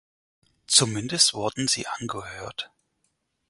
Zumindest wurden sie angehört.